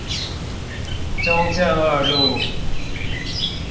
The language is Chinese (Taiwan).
中正二路